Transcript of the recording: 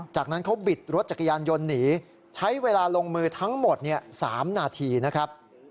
จากนั้นเขาบิดรถจักรยานยนต์หนีใช้เวลาลงมือทั้งหมด๓นาทีนะครับ